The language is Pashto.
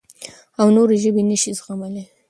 او نورې ژبې نه شي زغملی.